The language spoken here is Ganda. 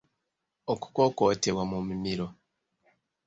Okukootebwa mu mimiro.